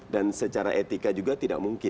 secara etika juga tidak mungkin